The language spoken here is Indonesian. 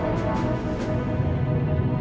apaan sih ini